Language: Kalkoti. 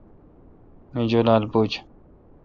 می جولال بوُجھ۔